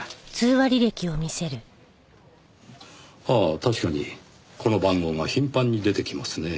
はあ確かにこの番号が頻繁に出てきますねぇ。